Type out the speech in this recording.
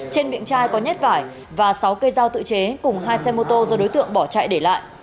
trên miệng chai có nhát vải và sáu cây dao tự chế cùng hai xe mô tô do đối tượng bỏ chạy để lại